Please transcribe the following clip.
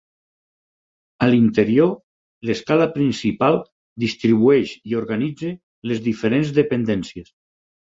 A l'interior, l'escala principal distribueix i organitza les diferents dependències.